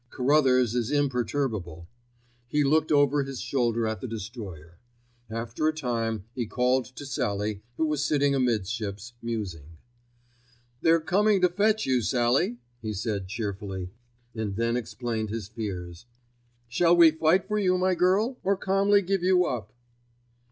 Carruthers is imperturbable. He looked over his shoulder at the destroyer. After a time he called to Sallie, who was sitting amidships, musing. "They're coming to fetch you, Sallie," he said cheerfully, and then explained his fears. "Shall we fight for you, my girl, or calmly give you up?"